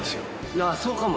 あっそうかもね。